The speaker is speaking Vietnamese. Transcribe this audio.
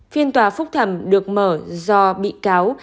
phiên tòa phúc thẩm được mở do bị cáo